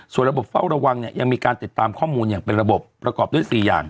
ส่วนระบบเฝ้าระวังเนี่ยยังมีการติดตามข้อมูลอย่างเป็นระบบประกอบด้วย๔อย่าง